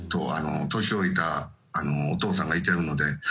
年老いたお父さんがいてるので。